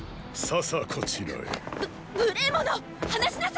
ささこちらへ。